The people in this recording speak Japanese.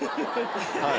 はい。